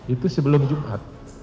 itu sebelum jumat